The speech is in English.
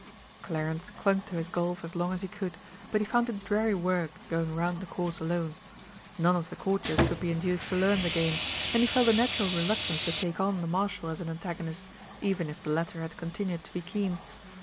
Clarence clung to his Golf as long as he could, but he found it dreary work going round the course alone. None of the Courtiers could be induced to learn the game, and he felt a natural reluctance to take on the Marshal as an antagonist, even if the latter had continued to be keen.